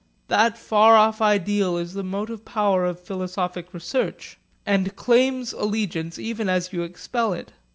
That far off ideal is the motive power of philosophic research; and claims allegiance even as you expel it.